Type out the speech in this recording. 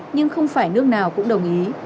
nhưng không phải nước nào cũng đồng ý